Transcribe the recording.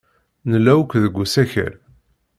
Nella akk deg usakal.